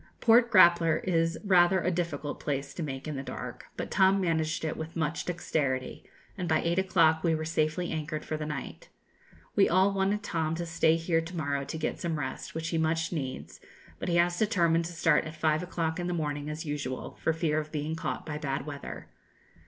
Port Grappler is rather a difficult place to make in the dark; but Tom managed it with much dexterity, and by eight o'clock we were safely anchored for the night. We all wanted Tom to stay here to morrow to get some rest, which he much needs, but he has determined to start at five o'clock in the morning as usual, for fear of being caught by bad weather.